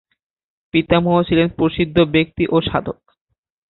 পিতামহ ছিলেন প্রসিদ্ধ ব্যক্তি ও সাধক।